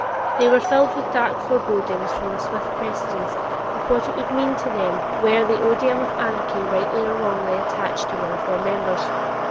They were filled with dark forebodings from a swift prescience of what it would mean to them were the oduim of anarchy rightly or wrongly attached to one of their members.